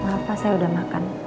maaf pak saya udah makan